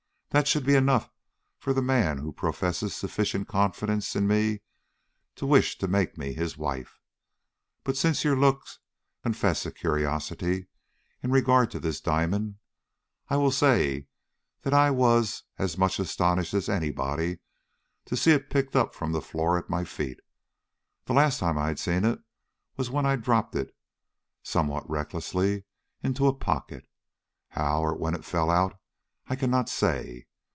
That should be enough for the man who professes sufficient confidence in me to wish to make me his wife. But since your looks confess a curiosity in regard to this diamond, I will say that I was as much astonished as anybody to see it picked up from the floor at my feet. The last time I had seen it was when I dropped it, somewhat recklessly, into a pocket. How or when it fell out, I cannot say.